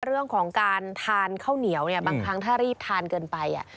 เรื่องของการทานข้าวเหนียวเนี่ยบางครั้งถ้ารีบทานเกินไป